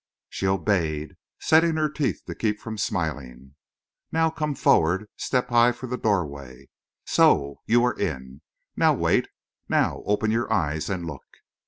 She obeyed, setting her teeth to keep from smiling. "Now come forward step high for the doorway. So! You are in. Now wait now open your eyes and look!"